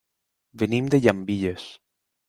Venim de Llambilles.